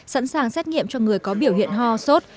sẵn sàng xét nghiệm cho người có biểu hiện ho sốt